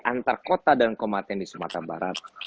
antar kota dan komaten di sumatera barat